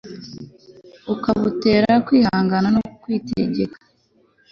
ukabutera kwihangana no kwitegeka